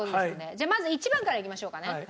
じゃあまず１番からいきましょうかね。